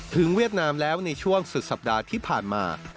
เวียดนามแล้วในช่วงสุดสัปดาห์ที่ผ่านมา